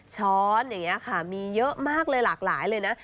ช้อนอย่างนี้ค่ะมีเยอะมากเลยหลากหลายเลยนะ